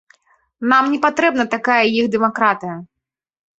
Нам не патрэбна такая іх дэмакратыя.